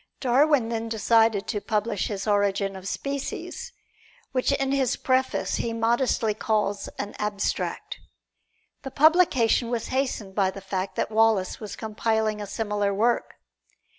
Darwin then decided to publish his "Origin of Species," which in his preface he modestly calls an "Abstract." The publication was hastened by the fact that Wallace was compiling a similar work.